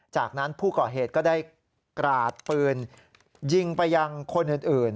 จากนั้นผู้ก่อเหตุก็ได้กราดปืนยิงไปยังคนอื่น